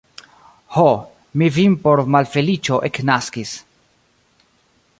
Ho, mi vin por malfeliĉo eknaskis.